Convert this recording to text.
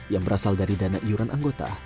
yang berasal dari dana iuran anggota